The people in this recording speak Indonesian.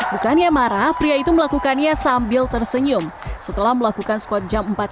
bukannya marah pria itu melakukannya sambil tersenyum setelah melakukan squad jam empat